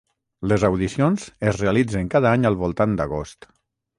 Les audicions es realitzen cada any al voltant d'agost.